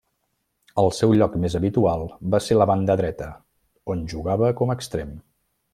El seu lloc més habitual va ser la banda dreta, on jugava com extrem.